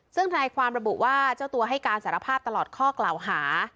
ซึ่งธนายความระบุว่าเจ้าตัวให้การสารภาพตลอดข้อกล่าวหา